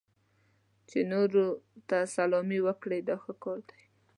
چې نورو ته سلامي وکړئ دا ښه کار دی.